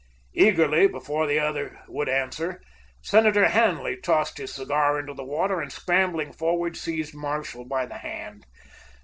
Eagerly, before the other would answer, Senator Hanley tossed his cigar into the water and, scrambling forward, seized Marshall by the hand.